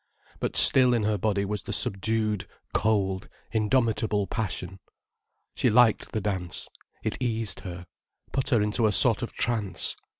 But still in her body was the subdued, cold, indomitable passion. She liked the dance: it eased her, put her into a sort of trance.